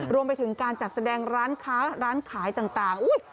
รวมไปถึงการจัดแสดงร้านค้าร้านขายต่าง